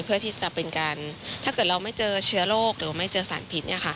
เพื่อที่จะเป็นการถ้าเกิดเราไม่เจอเชื้อโรคหรือไม่เจอสารพิษ